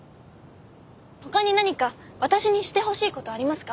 ほかに何か私にしてほしいことありますか？